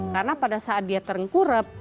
karena pada saat dia terengkurep